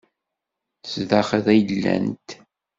Zdaxel i llant.